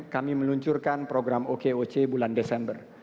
kami meluncurkan program okoc bulan desember